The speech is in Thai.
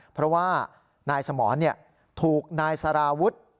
เพราะว่านายสมรถูกนายสาราวุฒิ